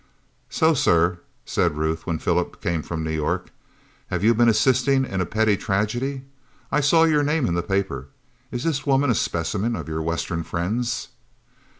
"So, sir," said Ruth, when Philip came from New York, "you have been assisting in a pretty tragedy. I saw your name in the papers. Is this woman a specimen of your western friends?"